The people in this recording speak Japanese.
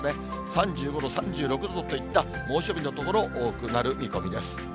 ３５度、３６度といった猛暑日の所、多くなる見込みです。